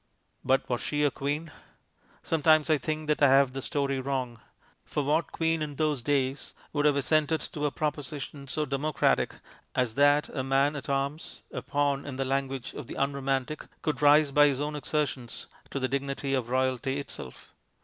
But was she a queen? Sometimes I think that I have the story wrong; for what queen in those days would have assented to a proposition so democratic as that a man at arms (a "pawn" in the language of the unromantic) could rise by his own exertions to the dignity of Royalty itself?